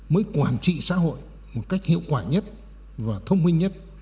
mới quản trị xã hội một cách hiệu quả nhất và thông minh nhất